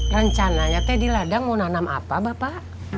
rencananya teh di ladang mau nanam apa bapak